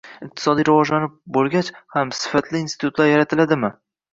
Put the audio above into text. Iqtisodiy rivojlanib boʻlgach ham sifatli institutlar yaratiladimi?